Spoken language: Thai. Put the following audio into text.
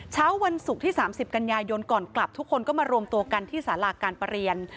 เช้าวันศุกร์ที่๓๐กันยายนก่อนกลับทุกคนก็มารวมตัวกันที่สาราการประเรียน